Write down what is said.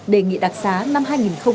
đề nghị đặc sá năm hai nghìn hai mươi một